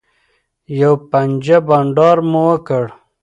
یوه پنجه بنډار مو وکړ.